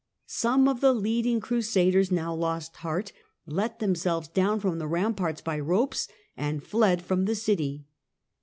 Some of the leading Crusaders now lost heart, let themselves down from the ramparts by ropes and fled from the city.